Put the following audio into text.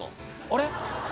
あれ？